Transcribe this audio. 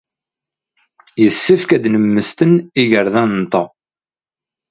Yessefk ad nemmesten igerdan-nteɣ.